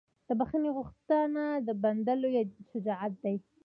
د بښنې غوښتنه د بنده لویه شجاعت ده.